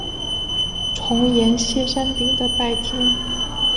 重檐歇山顶的拜亭。